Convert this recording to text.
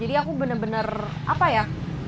jadi aku bener bener apa ya